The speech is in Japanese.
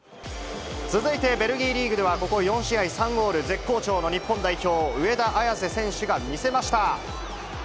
続いてベルギーリーグでは、ここ４試合、３ゴール、絶好調の日本代表、上田綺世選手が見せました。